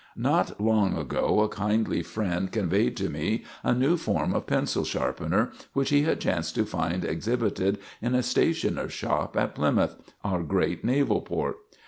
"Not long ago, a kindly friend conveyed to me a new form of pencil sharpener which he had chanced to find exhibited in a stationer's shop at Plymouth, our great naval port.